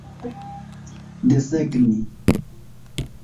desegni